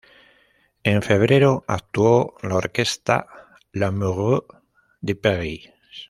En febrero, actuó la Orquesta Lamoureux de París.